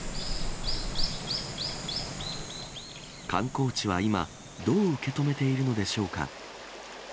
観光地は今、どう受け止めているのでしょうか。